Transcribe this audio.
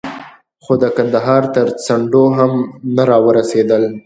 خو د کندهار تر څنډو هم نه را ورسېدل.